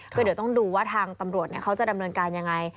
ก็เดี๋ยวต้องดูว่าทางตำรวจเขาจะดำเนินการยังไง